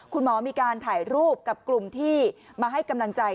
คุณหมอมีการถ่ายรูปกับกลุ่มที่มาให้กำลังใจ